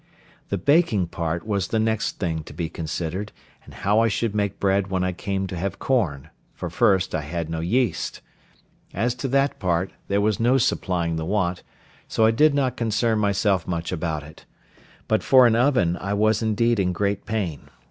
The baking part was the next thing to be considered, and how I should make bread when I came to have corn; for first, I had no yeast. As to that part, there was no supplying the want, so I did not concern myself much about it. But for an oven I was indeed in great pain.